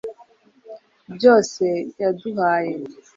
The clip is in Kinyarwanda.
byose, yaduhaye